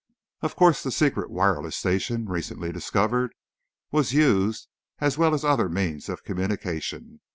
Of course, the secret wireless station, recently discovered, was used, as well as other means of communication.